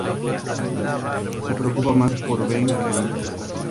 Se preocupa más por Ben que antes.